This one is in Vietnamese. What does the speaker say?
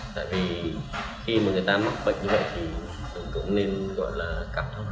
tại vì khi mà người ta mắc bệnh như vậy thì cũng nên gọi là cắt thôi